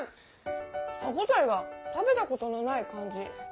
歯応えが食べたことのない感じ。